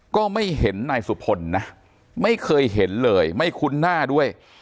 ก็ไม่เห็นนายสุพลนะไม่เคยเห็นเลยไม่คุ้นหน้าด้วย